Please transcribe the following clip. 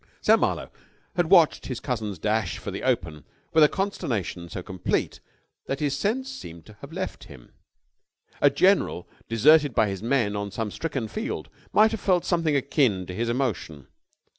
Sam Marlowe had watched his cousin's dash for the open with a consternation so complete that his sense seemed to have left him. A general, deserted by his men on some stricken field, might have felt something akin to his emotion.